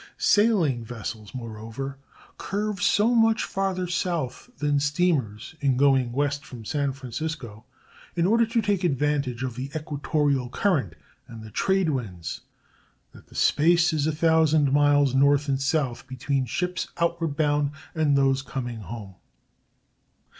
Sailing vessels, moreover, curve so much farther south than steamers in going west from San Francisco, in order to take advantage of the equatorial current and the trade winds, that the space is a thousand miles north and south between ships outward bound and those coming home.